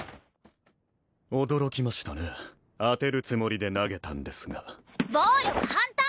驚きましたね当てるつもりで投げたんですが暴力反対！